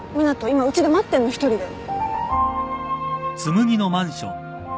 今うちで待ってるの一人で。